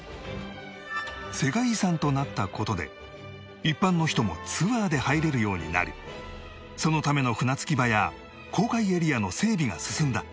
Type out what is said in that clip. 世界遺産となった事で一般の人もツアーで入れるようになりそのための船着き場や公開エリアの整備が進んだ